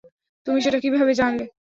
তুমি সেটা কীভাবে জানলে?